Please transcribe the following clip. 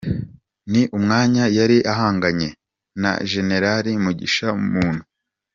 Ni umwanya yari ahanganiye na Generari Mugisha Muntu.